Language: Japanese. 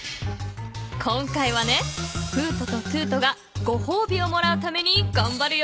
今回はねフートとトゥートがごほうびをもらうためにがんばるよ。